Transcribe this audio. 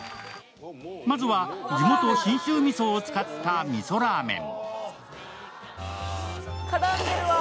まずは地元・信州みそを使ったみそラーメン。